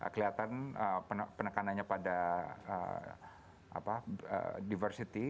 kelihatan penekanannya pada diversity